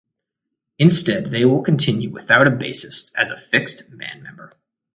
Instead, they will continue without a bassist as a fixed band member.